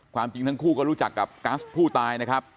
ความจริงทั้งคู่ก็รู้จักกับกัสผู้ตายนะครับ